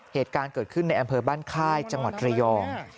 เหตุการณ์เกิดขึ้นในอำเภอบ้านค่ายจังหวัดระยอง